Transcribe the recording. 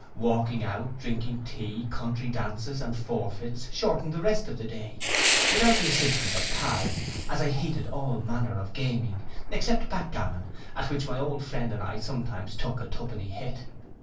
Walking out, drinking tea, country dances, and forfeits, shortened the rest of the day, without the assistance of cards, as I hated all manner of gaming, except backgammon, at which my old friend and I sometimes took a two penny hit.